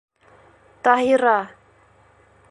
Таһира: